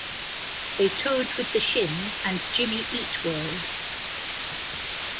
They toured with The Shins and Jimmy Eat World.